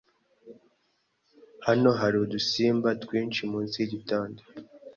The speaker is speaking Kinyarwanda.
Hano hari udusimba twinshi munsi yigitanda